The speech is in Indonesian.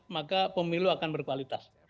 maka pemilu akan berkualitas